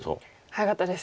早かったです。